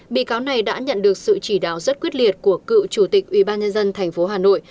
bị cáo này đã nhận được sự chỉ đạo rất quyết liệt của cựu chủ tịch ubnd tp hà nội